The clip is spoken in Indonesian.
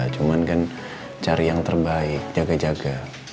cuma kan cari yang terbaik jaga jaga